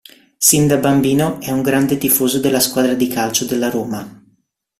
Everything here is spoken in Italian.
Sin da bambino è un grande tifoso della squadra di calcio della Roma.